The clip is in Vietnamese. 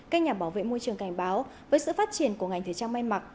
các nhà bảo vệ môi trường cảnh báo với sự phát triển của ngành thời trang may mặc